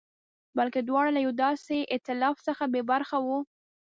بلکې دواړه له یوه داسې اېتلاف څخه بې برخې وو.